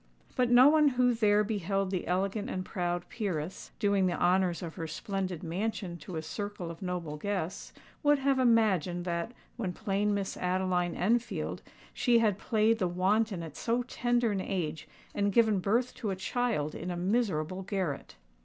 But no one who there beheld the elegant and proud peeress, doing the honours of her splendid mansion to a circle of noble guests, would have imagined that, when plain Miss Adeline Enfield, she had played the wanton at so tender an age, and given birth to a child in a miserable garret!